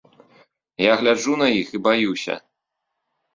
Я гляджу на іх і баюся.